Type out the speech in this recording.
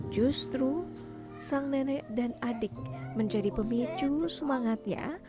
justru sang nenek dan adik menjadi pemicu semangatnya